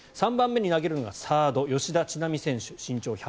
３番目に投げるのがサード吉田知那美選手。